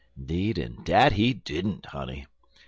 "'Deed, en dat he didn't, honey.